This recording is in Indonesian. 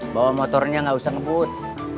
bawa motornya nggak usah ngebut